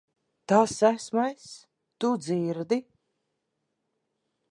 Tas esmu es. Tu dzirdi?